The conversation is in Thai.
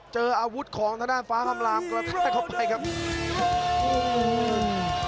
เจออาวุธของทางด้านฟ้าคำลามกระแทกเข้าไปครับอืม